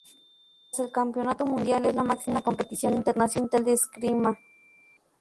Tras el Campeonato Mundial, es la máxima competición internacional de esgrima.